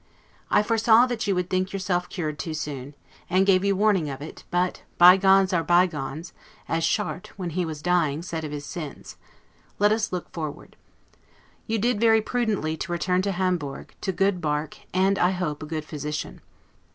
I foresaw that you would think yourself cured too soon, and gave you warning of it; but BYGONES are BYGONES, as Chartres, when he was dying, said of his sins; let us look forward. You did very prudently to return to Hamburg, to good bark, and, I hope, a good physician.